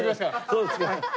そうですか。